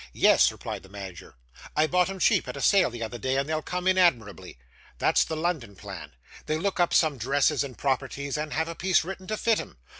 'Yes,' replied the manager. 'I bought 'em cheap, at a sale the other day, and they'll come in admirably. That's the London plan. They look up some dresses, and properties, and have a piece written to fit 'em.